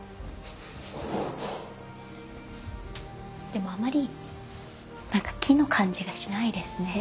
でもあまり木の感じがしないですね。